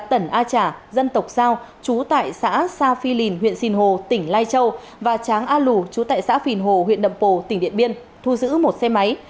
tần a trả dân tộc giao chú tại xã sa phi lìn huyện sinh hồ tỉnh lai châu và tráng a lù chú tại xã phìn hồ huyện nậm pồ tỉnh điện biên thu giữ một xe máy